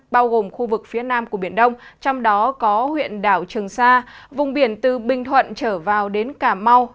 bao gồm khu vực phía nam của biển đông trong đó có huyện đảo trường sa vùng biển từ bình thuận trở vào đến cà mau